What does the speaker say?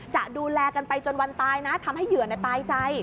จะดูแลกันไปจนวันตายนะทำให้เหยื่อตายใจ